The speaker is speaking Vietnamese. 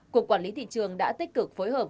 cục quản lý thị trường đã tích cực phối hợp